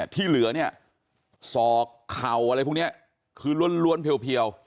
ที่เหลือเนี่ยศอกเข่าอะไรพวกนี้คือล้วนเพียว